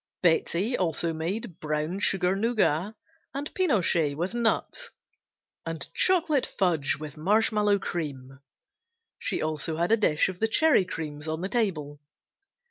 Betsey also made "Brown Sugar Nougat" or "Pinoche" with nuts (see page 83) and "Chocolate Fudge with Marshmallow Cream" as on page 58; she also had a dish of the Cherry Creams on the table.